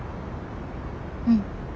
うん。